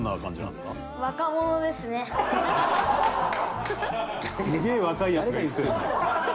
すげえ若いやつが言ってるね。